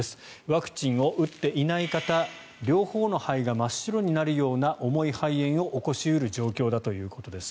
ワクチンを打っていない方両方の肺が真っ白になるような重い肺炎を起こし得る状況だということです。